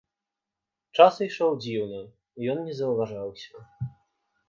Час ішоў дзіўна, ён не заўважаўся.